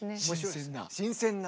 新鮮な。